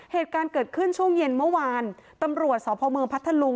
เหตุการณ์เกิดขึ้นช่วงเย็นเมื่อวานตำรวจสพเมืองพัทธลุง